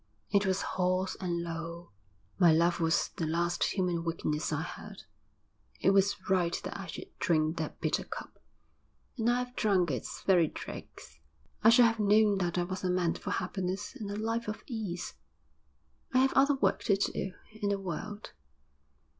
It was hoarse and low. 'My love was the last human weakness I had. It was right that I should drink that bitter cup. And I've drunk its very dregs. I should have known that I wasn't meant for happiness and a life of ease. I have other work to do in the world.'